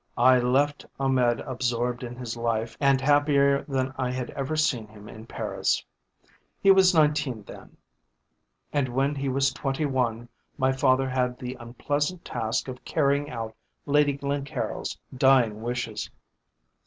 I left Ahmed absorbed in his life and happier than I had ever seen him in Paris. He was nineteen then, and when he was twenty one my father had the unpleasant task of carrying out Lady Glencaryll's dying wishes.